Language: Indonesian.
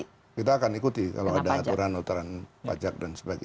kita akan ikuti kalau ada aturan aturan pajak dan sebagainya